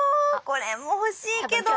これも欲しいけど。